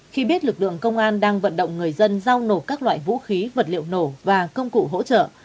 khi biết lực lượng công an đang vận động người dân giao nộp các loại vũ khí vật liệu nổ và công cụ hỗ trợ